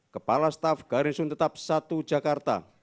kepala staf garisun tetap satu jakarta